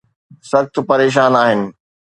سخت پريشان آهن.